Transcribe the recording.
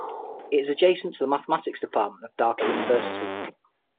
It is adjacent to the Mathematics Department of Dhaka University.